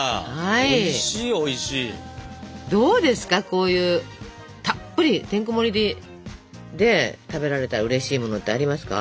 こういうたっぷりてんこもりで食べられたらうれしいものってありますか？